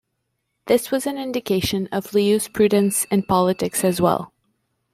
This was an indication of Liu's prudence in politics as well.